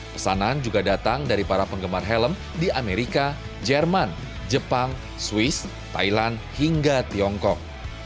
pesanan juga datang dari para penggemar helm di amerika jerman jepang swiss thailand hingga tiongkok